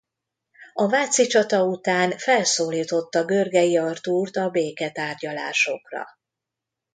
A váci csata után felszólította Görgei Artúrt a béketárgyalásokra.